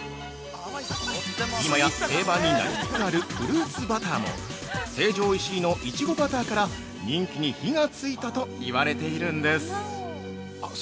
今や定番になりつつあるフルーツバターも成城石井の「いちごバター」から人気に火がついたといわれているんです。